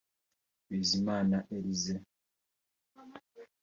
Bizimana Eliezel